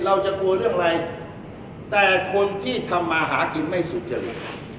เราจะกลัวเรื่องอะไรแต่คนที่ทำมาหากินไม่สุจริต